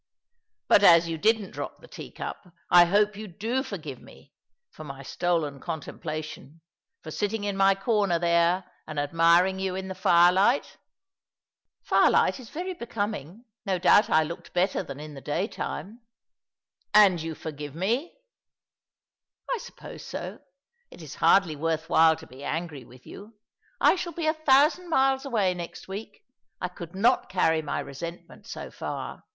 " But as you didn't drop the tea cup, I hope you do forgive me for my stolen contemplation, for sitting in my corner there and admiring you in the firelight ?"No Stidden Fancy of an Ardent Boy!' 2 1 1 "Fircligbt is very becoming. No doubt I looked better tban in tbe daytime." " And you forgive me ?"" I suppose so. It is bardly worth while to be angry with you. I shall be a thousand miles away next week. I could not carry my resentment so far.